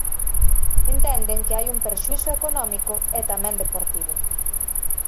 Entenden que hai un perxuízo económico e tamén deportivo.